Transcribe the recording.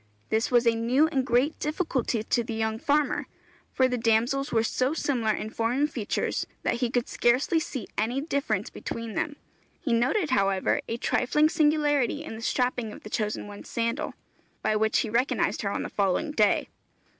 This was a new and great difficulty to the young farmer, for the damsels were so similar in form and features, that he could scarcely see any difference between them. He noted, however, a trifling singularity in the strapping of the chosen one's sandal, by which he recognized her on the following day.